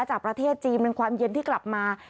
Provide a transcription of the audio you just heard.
จากประเทศจีนเป็นความเย็นที่กลับมา